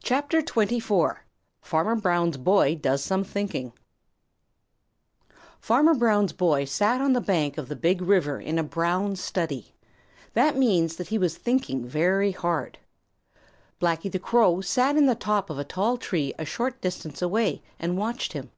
CHAPTER XXIV: Farmer Brown's Boy Does Some Thinking Farmer Brown's boy sat on the bank of the Big River in a brown study. That means that he was thinking very hard. Blacky the Crow sat in the top of a tall tree a short distance away and watched him.